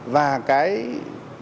để tự nhiên